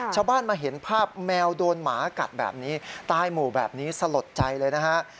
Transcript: ชาวบ้านมาเห็นภาพแมวโดนหมากัดแบบนี้ตายหมู่แบบนี้สลดใจเลยนะฮะ